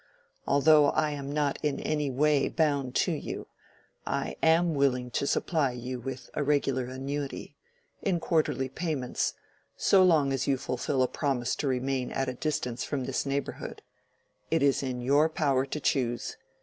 Although I am not in any way bound to you, I am willing to supply you with a regular annuity—in quarterly payments—so long as you fulfil a promise to remain at a distance from this neighborhood. It is in your power to choose.